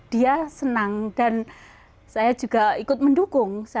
dia senang dan saya juga ikut mendukung